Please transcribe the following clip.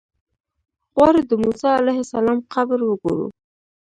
غواړو د موسی علیه السلام قبر وګورو.